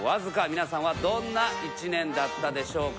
皆さんはどんな１年だったでしょうか。